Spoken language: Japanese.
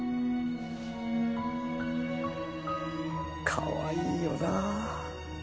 かわいいよな。